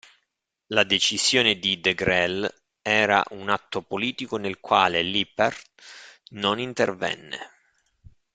La decisione di Degrelle era un atto politico nel quale Lippert non intervenne.